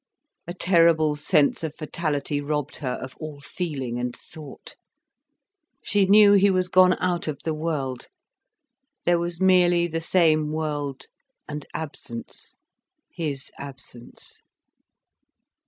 A terrible sense of fatality robbed her of all feeling and thought. She knew he was gone out of the world, there was merely the same world, and absence, his absence.